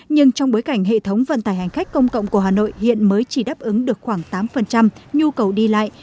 nhưng trong bối cảnh hệ thống vận tải hành khách công cộng của hà nội hiện mới chỉ đáp ứng được khoảng tám nhu cầu đi lại